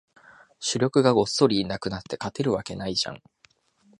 主力がごっそりいなくなって、勝てるわけないじゃん